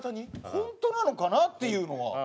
本当なのかなっていうのは。